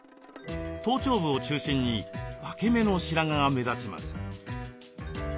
頭頂部を中心に分け目の白髪が目立ちます。